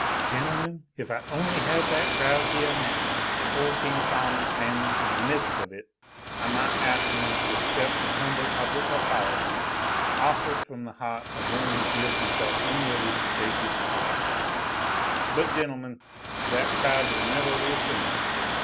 Gentlemen, if I only had that crowd heah now, an' ole King Sol'mon standin' in the midst of it, that I might ask 'im to accept a humble public apology, offahed from the heaht of one who feels himself unworthy to shake 'is han'! But gentlemen, that crowd will nevah reassemble.